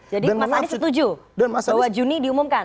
jadi mas anies setuju bahwa juni diumumkan